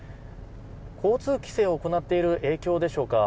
交通規制を行っている影響でしょうか。